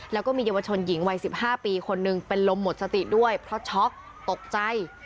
แล้วก็มีเยาวชนหญิงวัย๑๕ปีคนหนึ่งเป็นลมหมดสติด้วยเพราะช็อกตกใจ